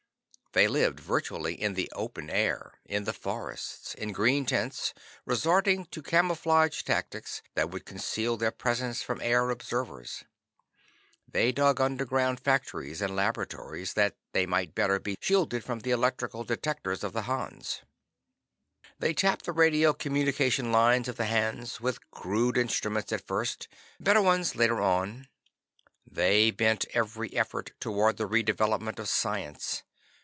They lived virtually in the open air, in the forests, in green tents, resorting to camouflage tactics that would conceal their presence from air observers. They dug underground factories and laboratories, that they might better be shielded from the electrical detectors of the Hans. They tapped the radio communication lines of the Hans, with crude instruments at first; better ones later on. They bent every effort toward the redevelopment of science.